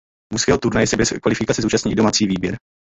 Mužského turnaje se bez kvalifikace zúčastní i domácí výběr.